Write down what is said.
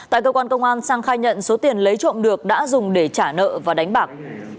tại cơ quan công an sang khai nhận số tiền lấy trộm được đã dùng để trả nợ và đánh bạc